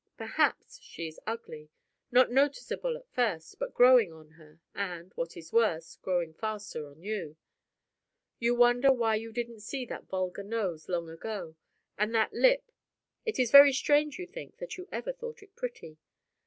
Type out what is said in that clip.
Perhaps she is ugly not noticeable at first, but growing on her, and (what is worse) growing faster on you. You wonder why you didn't see that vulgar nose long ago; and that lip it is very strange, you think, that you ever thought it pretty.